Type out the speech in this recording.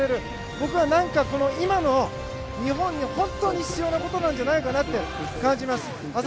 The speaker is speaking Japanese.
僕は何か、今の日本に本当に必要なことなんじゃないかなと感じます。